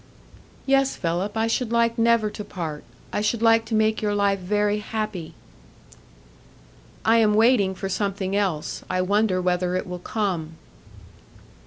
"Yes, Philip; I should like never to part; I should like to make your life very happy." "I am waiting for something else. I wonder whether it will come."